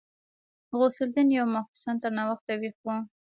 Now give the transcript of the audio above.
غوث الدين يو ماخستن تر ناوخته ويښ و.